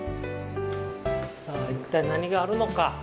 さあ一体何があるのか。